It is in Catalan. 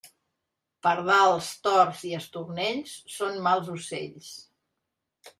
Pardals, tords i estornells són mals ocells.